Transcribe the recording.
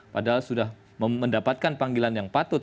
padahal sudah mendapatkan panggilan yang patut